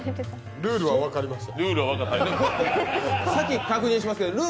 ルールは分かりました！